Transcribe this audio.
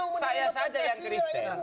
jadi saya saja yang kristen